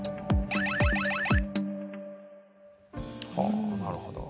はあなるほど。